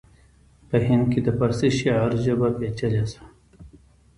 په هند کې د پارسي شعر ژبه پیچلې شوه